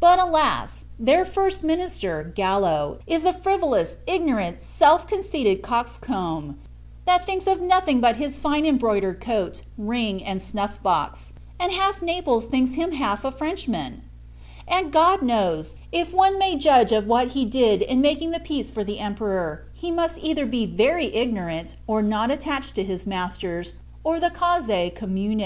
But, alas! their First Minister, Gallo, is a frivolous, ignorant, self conceited coxcomb, that thinks of nothing but his fine embroidered coat, ring, and snuff box; and half Naples thinks him half a Frenchman: and, God knows, if one may judge of what he did in making the peace for the Emperor, he must either be very ignorant, or not attached to his masters or the _cause commune.